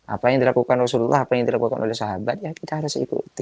apa yang dilakukan rasulullah apa yang dilakukan oleh sahabat ya kita harus ikuti